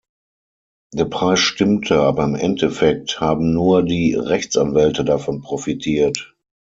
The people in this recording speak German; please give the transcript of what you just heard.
Der Preis stimmte, aber im Endeffekt haben nur die Rechtsanwälte davon profitiert.